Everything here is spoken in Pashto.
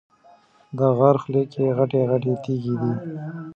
د غار خوله کې غټې غټې تیږې دي.